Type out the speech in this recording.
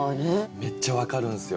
めっちゃ分かるんすよ。